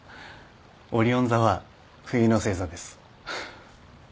オリオン座は冬の星座です。